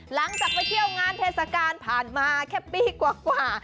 หลังจากไปเที่ยวงานเทศกาลผ่านมาแค่ปีกว่า